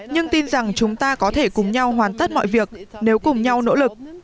nhưng tin rằng chúng ta có thể cùng nhau hoàn tất mọi việc nếu cùng nhau nỗ lực